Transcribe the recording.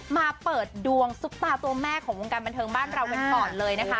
มาเปิดดวงซุปตาตัวแม่ของวงการบันเทิงบ้านเรากันก่อนเลยนะคะ